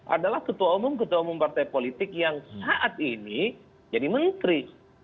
adalah ketua umum ketua umum partai politik yang saat ini jadi menteri